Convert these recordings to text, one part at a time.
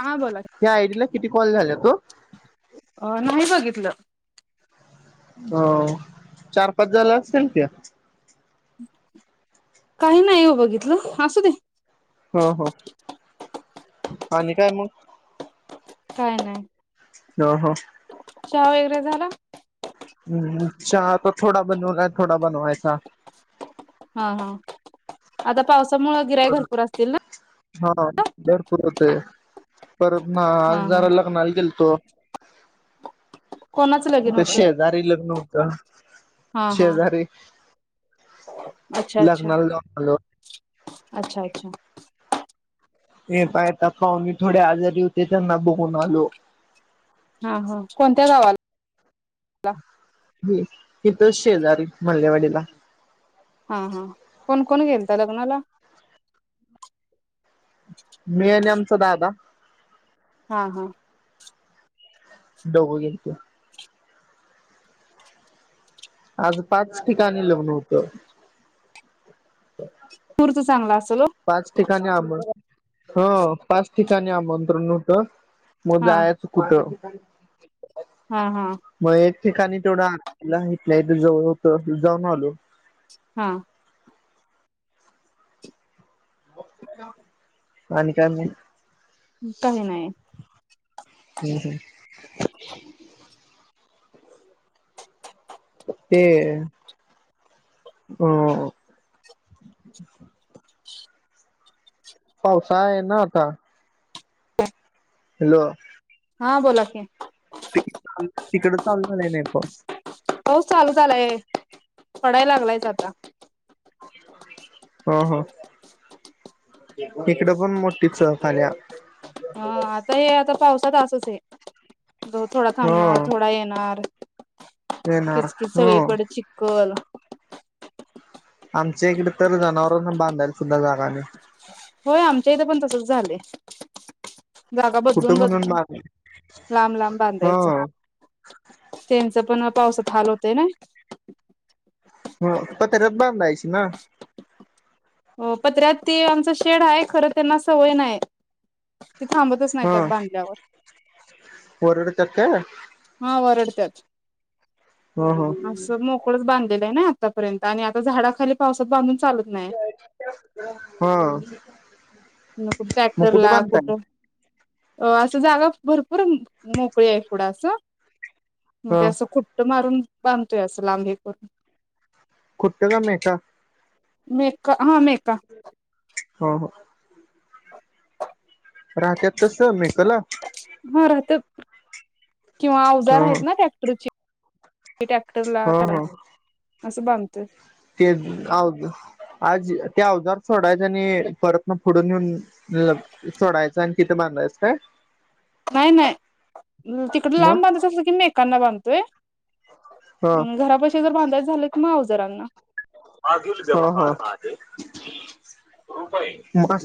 हा बोला या आयडी ला किती कॉल झालयात ओ? अ नाही बगितलं. हो चार पाच झाला असतील त्या. काही नाही हो बघितलं असू दे. हो हो आणि काय मग? काय नाही. हो हो. चहा वगैरे झाला? हम् चहा आता थोडा बनवलाय थोडा बनवायचा. हा हा आता पावसामुंळ गिराइक भरपूर असतील ना? हा भरपूर होते परत ना हा आज हा जरा लग्नाला गेलतो. कोणाचं लगीन इथ होतं शेजारी लग्न होतं. हा हा शेजारी अच्छा अच्छा लग्नाला जाऊन आलो. अच्छा अच्छा. हे पायता पाहूने थोडे आजारी होते त्यांना बघून आलो. हा हा कोणत्या गावाला? ह इथीच शेजारी मल्लेवाडीला. हा हा कोण कोण घेलता लग्नाला? मी आणि आमचा दादा. हा हा. दोघ गेलतो. आज पाच ठिकाणी लग्न होतं. पुर च चांगला असल ओ. पाच ठिकाणी आम ह पाच ठिकाणी आमंत्रण होतं. मग हा जायचं कुठं? हा हा. मग एक ठिकाणी तेथोडं आ इथल्या इथ जवळ होत जाऊन आलो. हा. आणि काय मग? काही नाही. हम् हम. ते अ- पावसाळा आहे ना आता. हॅलो. हा बोला की. तिकड चालु झालाय नाही इ पाऊस? पाऊस चालू चालाय पडाय लागलायच आता. ह हो इकड पण मोठीचह आल्या. हा आता हे आता पावसात असच ये. थोडा थांबणार हो थोडा येणार येणार किचकिच हो सळीकडे चिक- कल- आमच्या इकड तर जनावरांना बांधाल सुद्धा जागा नाय. ह होय आमच्या इथं पण तसच झालंय. जागा बदलून कुठं म्हणून बदलून बांध लांब लांब हो बांधायचा. त्यांच पण पावसात हाल होत ना? पत्रात बधायची ना? हो पत्र्यात ती आमच शेड आहे खरं त्यांना सवय नाही. ते थांबतच नाही हा त्यात बांधल्यावर वरडत्यात काय हा वरडत्यात हा हा अस मोक. च बांधलेला आहे नाही आतापर्यंत आणि आता झाडाली पासातांधून चालत नाही. हा. न कुठ मग ट्रॅक्टर ला बांधताय कुठं? अ असं जागा भरपूर मोकळी आहे पुढं असं. मग हा ते असं खुट्ट मारून बांधतोय असं लांबे करून खुट्ट का मे का? मेका हा मेका हा ह. राहत्यात तसं मी तला हो राहत किंवा ह अजार आहेत ना टॅक्टरची ट्रॅक्टर ह ला ह कर ह अससं बमच. ते आज त्या अवजार थोडाय जणी परतन फुडून येेऊन सोडायचं आणि किथं बांधायचं काय? नाही नाही तिकड मग लांब बांधच अस की मीकांना बांधतोय. ह घरापशी जर बांधायच झाले तर म अवजरांना ह. मग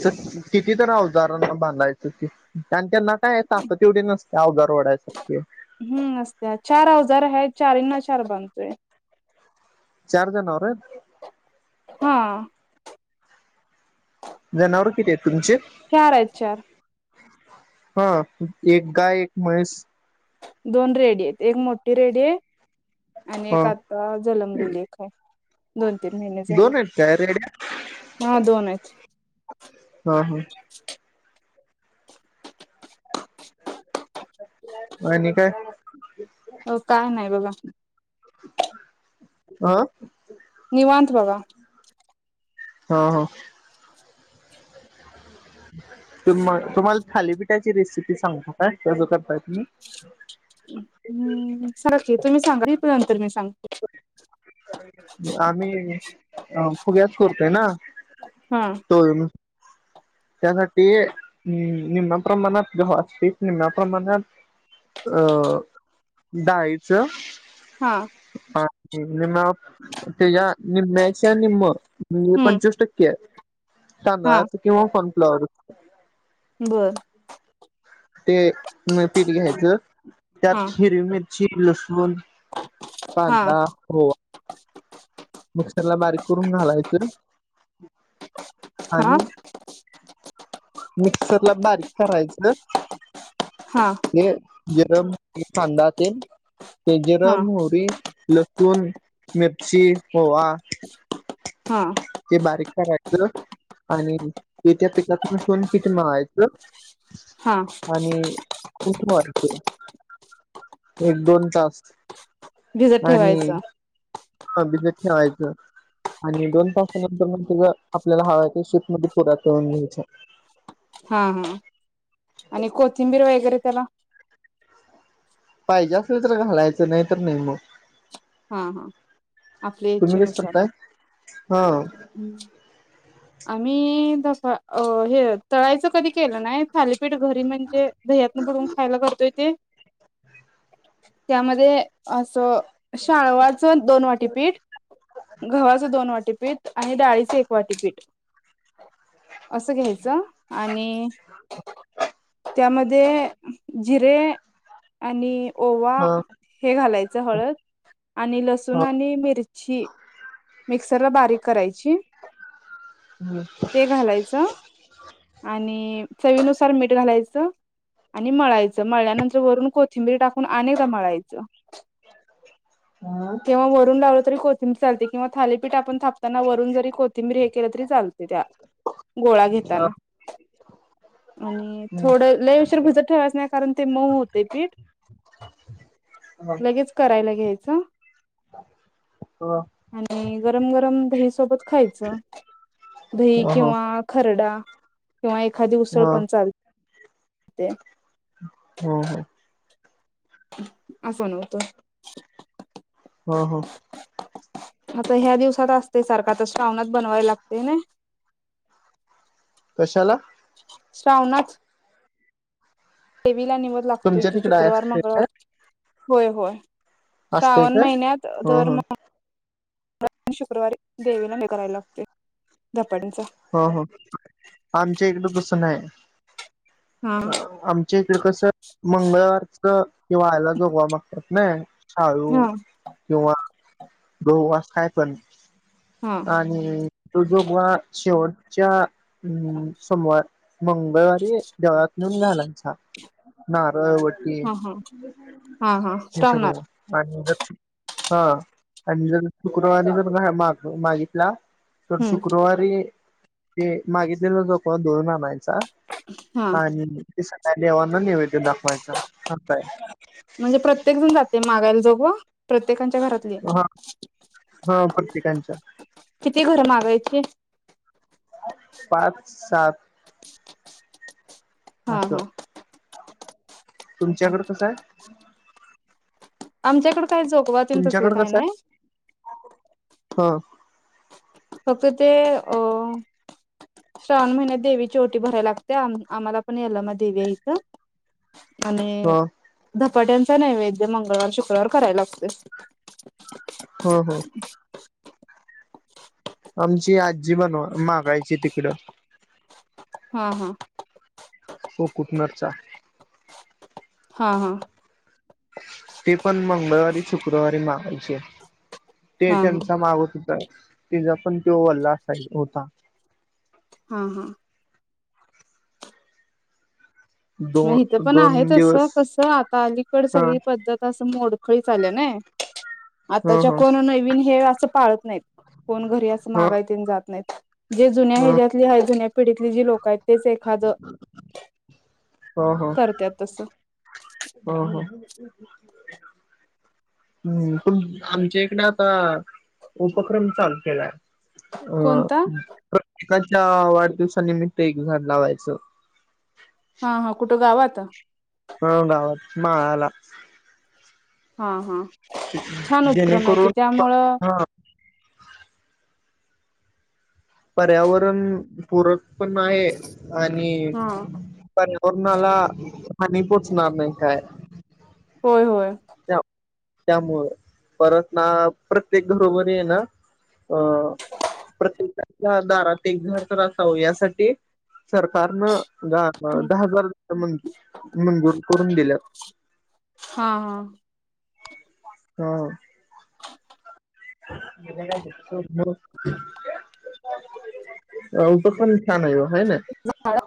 कितीत अवजारांना बांधायचं क आणि त्यांना काय आता तेवढी नसते अवघा रडासारखे हम् असस्त्या चार अवजार आहेत चारंना चार बांधतोय. चार जणवररे हा. जनावर किती आहेत तुमचे? चार आहेत चार हा एक गाय एक म्हणस. दोन रेडी आहेत एक मोठी रेडी आहे. आणि हा एक आता जलमलीलेख आहे दोन तीन महिने झाले दोन आहेत काय रेड्या हा दोन आहेत. हा हा. म नाही काय? अ काय नाही बघा. हा. निवांत बाघा. हो हो. तु तुम्हाला थालीपीठाची रेसिपी सांगता का कसं करताय तुम्ही? हम्म सारखे तुम्ही सांगा नंतर मी सांग. आम्ही फुग्याच करतोय ना. हा होण. [unintelligible] त्यासाठीम् निम््या प्रमाणात ज असतील निम््या प्रमाणात अ दडायचं. हा. ह नि त्याच्या निम्म्याच्या निम्म. म्ह हम्म पंचवीस टक्के आहे हा कनाच किंवा सनफ्लॉवर बरं. ते पीठ घ्यायच हा त्यात हिर मिरची लसण. पां हा हो. मिक्सरला बारीक करून घालायचं आणि हा मिक्सर ला बारीक करायचं. हां. हे जिर मोहरी कांदा तेल. ते जिरं, हा मोहरी, लसून, मिरची ओवा. हां. ते बारीक करायचं, आणि ते त्या पिठात मिक्स करून पीठ मळायचं. हा आणि, भूक मारते, एक दोन तास. भिजत ठेवायचं. हा भिजत ठेवायचं. आणि दोन तासानंतर मग तेच, आपल्याला हव्या त्या शेप मधी पुऱ्या तळून घ्यायच्या. हा.. हा.. आणि कोथिंबीर वगैरे त्याला, पाहिजे असेल तर घालायचं, नाहीतर नाही मग. हां हां. तुम्ही कस करताय? हां हम. आम्ही तसं अ-हे तळायचं कधी केलं नाही. थालीपीठ घरी म्हणजे, दह्यातन बुडून खायला करतोय ते, त्यामध्ये असं शाळवाचं दोन वाटीपीठ, गव्हाचं दोन वाटीपीठ. आणि डाळीचं एक वाटी पीठ. असं घ्यायचं. आणि त्यांमध्ये जिरे, आणि ओवा हा हे घालायचं हळद, आणि हो लसूण आणि मिरची. मिक्सरला बारीक करायची. हो ते घालायचं आणि चवीनुसार मीठ घालायचं. आणि मळायचं, मळल्यानंतर वरून कोथिंबीरी टाकून अनेकएकदा मळायचं. हो किंवा वरून लावल तरी कोथिंबीर चालते. किंवा थालीपीठ आपण थापताना वरून जरी कोथिंबीर हे केलं तरी चालतं. त्या- गोळा घेताना. आणि थोडं लय उशीर भीजत ठेवायचं नाही, कारण ते मऊ होते पीठ. हं.. लगेच करायला घ्यायचं हं. आणि गरम गरम दही सोबत खायचं. दही किंवा खरडा किंवा एखादी उसळ हो पण चालते. हां हां. असं नव्हतं. हा हा. आता ह्या दिवसात असते सारख, आता श्रावणात बनवायला लागते नी. कशाला? श्रावणात. देवीला निवद लागतोय तुमच्या की, तिकडे शुक्रवार असते काय मंगळवार होय.. होय... असते श्रावण काय महिन्यात हो दर हो [unintelligible] शुक्रवारी देवीला निवेद करायला लागते धपाट्यांच. हं.. हं.. आमच्या इकडं तस नाही, हा आम च्या इकड कसं मंगळवारच की वाळा जोगवा मागतात नी. शाळू हा किंवा गहू आस काय पण. हा. आणि तो जोगवा शेवटच्या, हम्म.. सोमवा- मंगळवारी देवळात नेऊन घालायचा. नारळ वटी हा हा हा हा हे सगळं श्रावणात आणि, [unintelligible] हा, आणि जर शुक्रवारी जर नाही मागितला. तर हम्म शुक्रवारी हे मागितलेलं जोगवा दळून आणायचा. हा आणि ते सगळ्या देवांना नेवेद्य दाखवायचा. असताय. म्हणजे प्रत्येक जण जाते. मागायला जोगवा. प्रत्येकांच्या घरातलीय. हा हा प्रत्येकांच्या किती घर मागायची. पाच, सात. ह ह. तुमच्याकड कसय. आमच्याकडे काय, जो तुमच्याकडे कसंय ह. फक्त ते, अ श्रावण महिन्यात देवी ओटी भराय लागते. आ आम्हाला पण यालमा देवी आईचं. आणि ह धधपाट्यांचा नैवेद्य, मंगळवार शुक्रवार करायला लागते. हो हो. आमची आजी बनवा, मागायची तिकडं. हा हा. को कुटणारचा. हा हा. ते पण मंगळवारी शुक्रवारी मागायचे. ते हा हा त्यांचा माग सुद्धाये. तिचा पण तो वल्लास आहे, होता. हा हा. मग इथं दोन पण आहे दोन तसं. दिवस कसं आता अलीकड हा सगळी पद्धत असं मोड खळी चाल्या ना. हा आताच्या हा कोण नवीन हे असं पाळत नाहीत. कोण घरी असं हा मागायन जात नाहीत. जे जुन्या हा ह्याच्या्यातली हाय. जुन्या पिढीतली जी लोकं आहेत तेच एखाद [unintelligible] करत्यात तसं. हो हो. [inaudible] हम्म. तूम आमच्या इकडे आता उपक्रम चालू केलाय. अ कोणता प्रत्यकाच्या वाढदिवसानिमित्त. एक झाड लावायचं. हा हा कुठं गावात. हो गावात माळाला. हा हा छान उपक्रम आहे की, जेणेकरून त्यामुळं हा पर्यावरण पूरक पण आहे. आणि हा कोणाला हानी पोचणार नाही. काय? होय होय. त्यामुळे परत ना प्रत्येक घरोबरीय ना. अ. प्रत्येकाच्या. दारात एक घर तर असावं. यासाठी सरकारनं गा दहा हजार [unintelligible] मंजूर करून दिल्यात. हा हा. ह. म्ह काय [inaudible] अ उपक्रम छान हाय हो. हाय ना. झाड